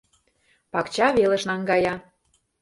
Пакча велыш наҥгая.